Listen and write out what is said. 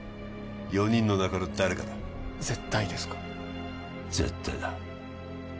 ４人の中の誰かだ絶対ですか絶対だ